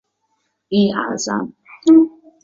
车塘村吴氏宗祠位于浙江省衢州市衢江区云溪乡。